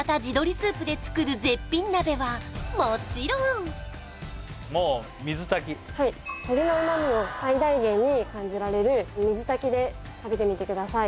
スープで作る絶品鍋はもちろんもう水炊きはい鶏のうま味を最大限に感じられる水炊きで食べてみてください